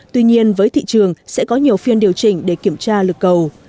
tuy nhiên với thị trường sẽ có nhiều phiên điều chỉnh để kiểm tra lực cầu